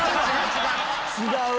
違う。